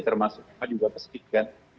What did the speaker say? termasuk rumah juga masjid kan